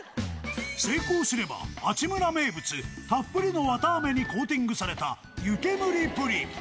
成功すれば、阿智村名物、たっぷりの綿あめにコーティングされた湯けむりプリン。